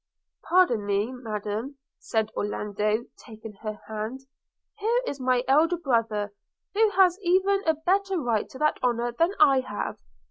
'Pardon me, Madam,' said Orlando, taking her hand; 'here is my elder brother, who has even a better right to that honour than I have.'